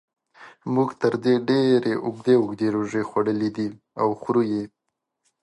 موږ تر دې ډېرې اوږدې اوږدې روژې خوړلې دي او خورو یې.